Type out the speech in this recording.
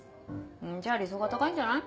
じゃあ理想が高いんじゃない？